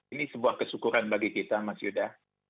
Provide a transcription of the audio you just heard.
ini sebuah kesyukuran bagi kita mas yuda